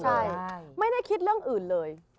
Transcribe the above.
ใช่ไม่ได้คิดเรื่องอื่นเลย